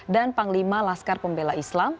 dan panglima laskar pembela islam